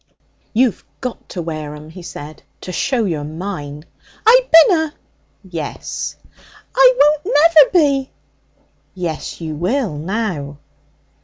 'You've got to wear 'em,' he said, 'to show you're mine.' 'I binna!' 'Yes.' 'I won't never be!' 'Yes, you will, now.'